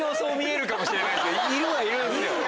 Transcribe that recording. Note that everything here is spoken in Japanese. いるはいるんすよ。